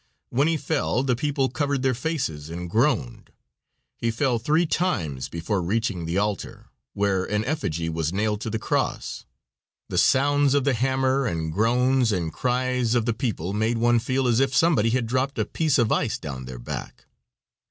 When he fell the people covered their faces and groaned. He fell three times before reaching the altar, where an effigy was nailed to the cross. The sounds of the hammer and groans and cries of the people made one feel as if somebody had dropped a piece of ice down their back.